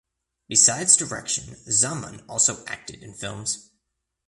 Besides direction Zaman also acted in films.